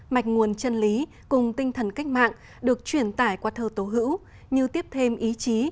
mạch nguồn chân lý cùng tinh thần cách mạng được truyền tải qua thơ tố hữu như tiếp thêm ý chí